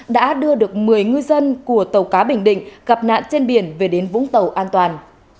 đã đưa được một mươi ngư dân của tàu cá bình định gặp nạn trên biển về đến vũng tàu an toàn